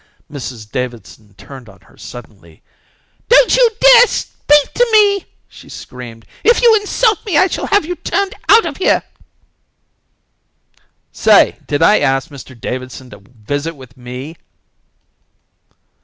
Mrs Davidson turned on her suddenly. "Don't you dare to speak to me," she screamed. "If you insult me I shall have you turned out of here." "Say, did I ask Mr Davidson to visit with me?"